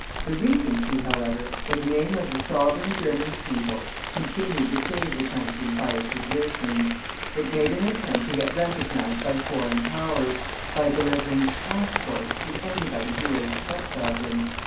The Regency, however, in the name of the Sovereign German people, continued to save the country by its exertions. It made an attempt to get recognized by foreign powers, by delivering passports to anybody who would accept of them.